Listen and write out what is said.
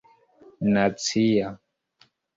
nacia